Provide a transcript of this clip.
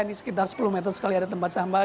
di sekitar sepuluh meter sekali ada tempat sampah